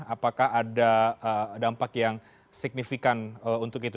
apakah ada dampak yang signifikan untuk itu